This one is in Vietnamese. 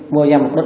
mua ra một đứt